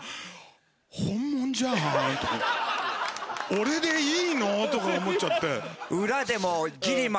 俺でいいの？とか思っちゃって。